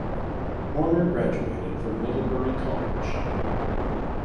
Warner graduated from Middlebury College.